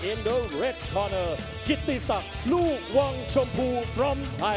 และเขาเชิญในข้างภูมิคิตตีศักดิ์ลูกวังชมพูจากไทย